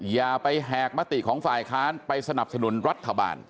อย่าไปแหกมติของฝ่ายค้านไปสนับสนุนรัฐบาล